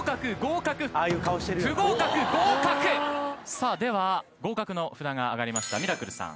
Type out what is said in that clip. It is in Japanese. さあでは合格の札が挙がりましたミラクルさん。